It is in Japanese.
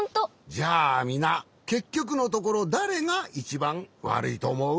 じゃあみなけっきょくのところだれがいちばんわるいとおもう？